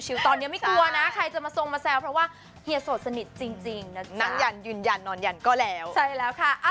ก็ต้องมีความสบายกับการอยู่คนเดียว